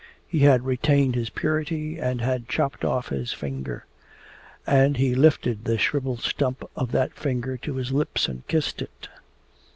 He had retained his purity and had chopped off his finger. And he lifted the shrivelled stump of that finger to his lips and kissed it.